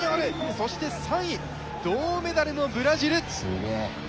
そして３位銅メダルもブラジル。